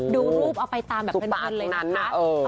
ดูรูปเอาไปตามแบบเป็นเลยนะคะ